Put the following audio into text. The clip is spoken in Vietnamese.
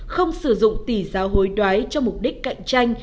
không sử dụng tỷ giáo hối đoái cho mục đích cạnh tranh